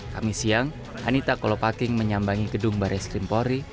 kami siang anita kolopaking menyambangi gedung baris krimpori